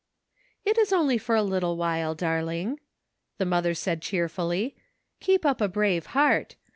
"It is only for a little while, darling," the mother said cheerfully, "keep up a brave heart.